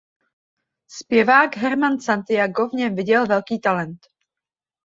Zpěvák Herman Santiago v něm viděl velký talent.